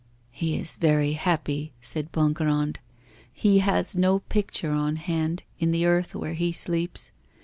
'He is very happy,' said Bongrand; 'he has no picture on hand, in the earth where he sleeps.